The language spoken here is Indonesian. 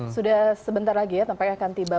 sudah sebentar lagi ya tampaknya akan tiba